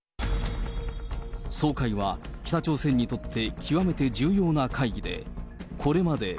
総会は北朝鮮にとって極めて重要な会議で、これまで。